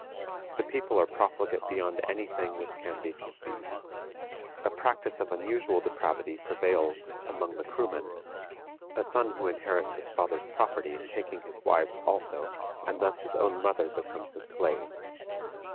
The people are profligate beyond any thing which can be conceived. A practice of unusual depravity prevails among the Kroomen, a son who inherits his father's property taking his wives also, and thus his own mother becomes his slave.